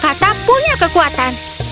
kata kata punya kekuatan